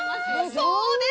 そうです！